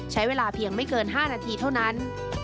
ใช้เวลาเพียงไม่เกิน๕นาทีเท่านั้น